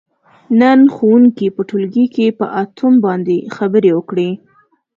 نن ښوونکي په ټولګي کې په اتوم باندې خبرې وکړلې.